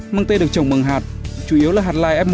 măng tê được trồng bằng hạt chủ yếu là hạt lai f một